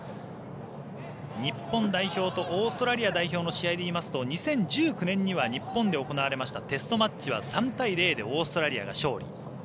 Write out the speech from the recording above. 日本代表とオーストラリア代表の試合で言いますと２０１９年には日本で行われましたテストマッチは３対０でオーストラリアが勝利。